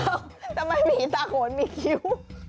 เอ้าทำไมมีสาขนมีคิ้ว